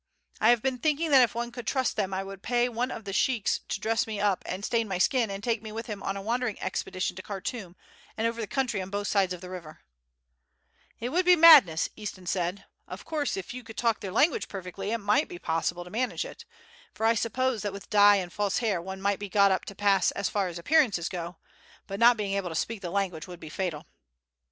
I have been thinking that if one could trust them I would pay one of the sheiks to dress me up and stain my skin and take me with him on a wandering expedition to Khartoum and over the country on both sides of the river." "It would be madness," Easton said. "Of course if you could talk their language perfectly it might be possible to manage it, for I suppose that with dye and false hair one might be got up to pass as far as appearances go, but not being able to speak the language would be fatal."